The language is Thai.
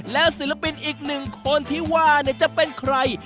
แล้วศิลปินอีกหนึ่งคนที่ว่าจะเป็นใคร